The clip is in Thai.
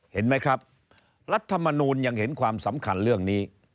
เห็นไหมครับรัฐมนูลยังเห็นความสำคัญเรื่องนี้